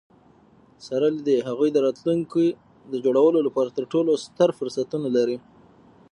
سره له دي، هغوی د راتلونکي د جوړولو لپاره تر ټولو ستر فرصتونه لري.